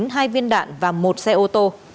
hai viên đạn và một xe ô tô